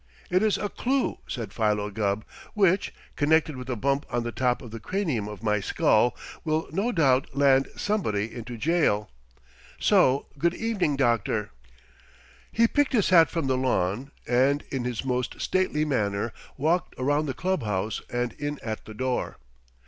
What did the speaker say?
"It is a clue," said Philo Gubb, "which, connected with the bump on the top of the cranium of my skull, will, no doubt, land somebody into jail. So good evening, doctor." He picked his hat from the lawn, and in his most stately manner walked around the club house and in at the door.